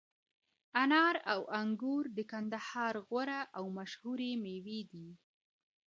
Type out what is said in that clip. انار او انګور د کندهار غوره او مشهوره مېوې دي